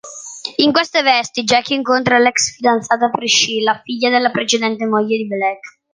In queste vesti, Jack incontra l'ex fidanzata Priscilla, figlia della precedente moglie di Black.